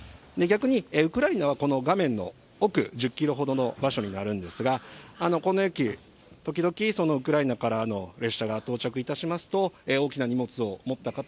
逆にウクライナはこの画面の奥１０キロほどの場所になるんですが、この駅、時々、ウクライナからの列車が到着いたしますと、大きな荷物を持った